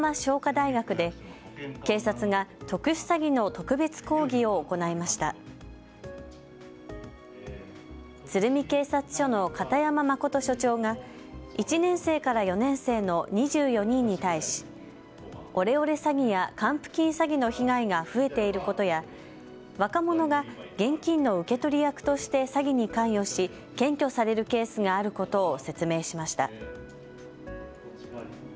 警察署の片山真署長が１年生から４年生の２４人に対しオレオレ詐欺や還付金詐欺の被害が増えていることや若者が現金の受け取り役として詐欺に関与し検挙されるケースがあることを説明しました。